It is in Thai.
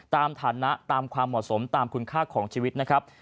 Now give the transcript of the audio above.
ตามฐานะตามความเหมาะสมตามคุณค่าของชีวิตนะครับ